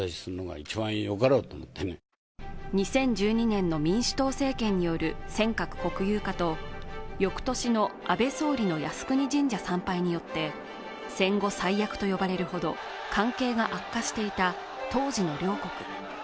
２０１２年の民主党政権による尖閣国有化と翌年の安倍総理の靖国神社参拝によって戦後最悪と呼ばれるほど関係が悪化していた当時の両国